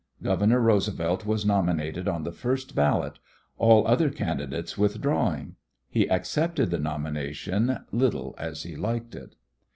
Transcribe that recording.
Governor Roosevelt was nominated on the first ballot, all other candidates withdrawing. He accepted the nomination little as he liked it.